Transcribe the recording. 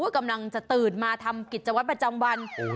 กำลังจะตื่นมาทำกิจวัตรประจำวัน